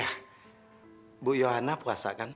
ya bu yohana puasa kan